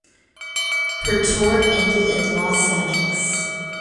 Her tour ended in Los Angeles.